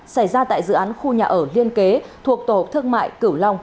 xảy ra tại dự án khu nhà ở liên kế thuộc tổ thương mại cửu long